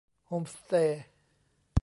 โฮมสเตย์